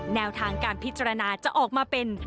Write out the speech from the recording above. แนวทางการพิจารณาจะออกมาเป็น